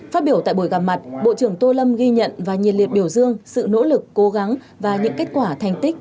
phát biểu tại buổi gặp mặt bộ trưởng tô lâm ghi nhận và nhiệt liệt biểu dương sự nỗ lực cố gắng và những kết quả thành tích